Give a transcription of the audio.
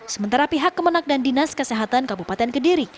sementara pihak kemenak dan dinas kesehatan kabupaten kediri